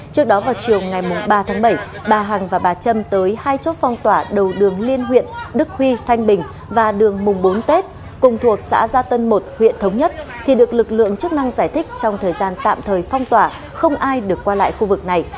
trước đó vào chiều ngày ba tháng bảy bà hằng và bà trâm tới hai chốt phong tỏa đầu đường liên huyện đức huy thanh bình và đường mùng bốn tết cùng thuộc xã gia tân một huyện thống nhất thì được lực lượng chức năng giải thích trong thời gian tạm thời phong tỏa không ai được qua lại khu vực này